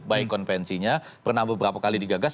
baik konvensinya pernah beberapa kali digagas